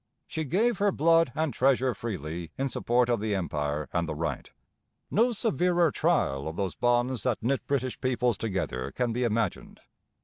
She gave her blood and treasure freely in support of the Empire and the Right. No severer trial of those bonds that knit British peoples together can be imagined.